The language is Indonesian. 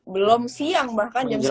belum siang bahkan jam sembilan